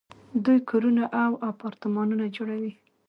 دوی کورونه او اپارتمانونه جوړوي.